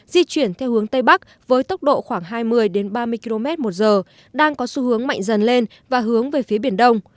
di chuyển theo hướng tây bắc với tốc độ khoảng hai mươi ba mươi km một giờ đang có xu hướng mạnh dần lên và hướng về phía biển đông